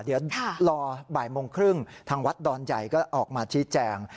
เดี๋ยวรอบ่ายโมงครึ่งทางวัดดอนใหญ่ก็ออกมาชี้แจง